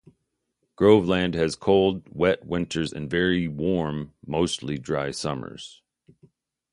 Groveland has cold, wet winters and very warm, mostly dry summers.